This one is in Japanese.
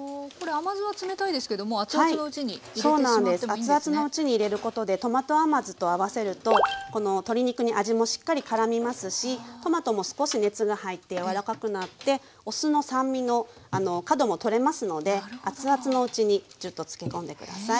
熱々のうちに入れることでトマト甘酢と合わせるとこの鶏肉に味もしっかりからみますしトマトも少し熱が入って柔らかくなってお酢の酸味の角も取れますので熱々のうちにジュッと漬け込んで下さい。